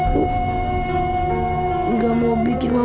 coba kalau gak ada mama